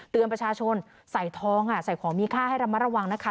ประชาชนใส่ทองใส่ของมีค่าให้ระมัดระวังนะคะ